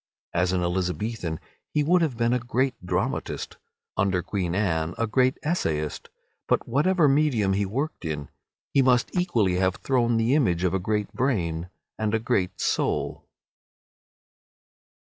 As an Elizabethan he would have been a great dramatist; under Queen Anne a great essayist. But whatever medium he worked in, he must equally have thrown the image of a great brain and a great soul.